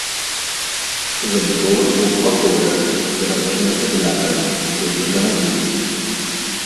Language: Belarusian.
Забудова двухбаковая, пераважна цагляная, сядзібнага тыпу.